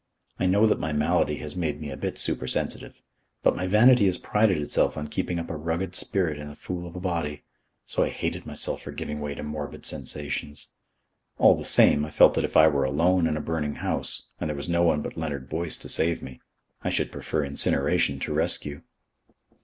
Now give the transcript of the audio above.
I know that my malady has made me a bit supersensitive. But my vanity has prided itself on keeping up a rugged spirit in a fool of a body, so I hated myself for giving way to morbid sensations. All the same, I felt that if I were alone in a burning house, and there were no one but Leonard Boyce to save me, I should prefer incineration to rescue.